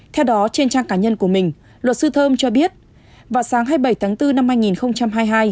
theo đó trên trang cá nhân của mình luật sư thơm cho biết vào sáng hai mươi bảy tháng bốn năm hai nghìn hai mươi hai